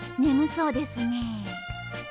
眠そうですね。